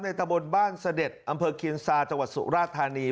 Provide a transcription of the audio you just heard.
ตะบนบ้านเสด็จอำเภอเคียนซาจังหวัดสุราธานี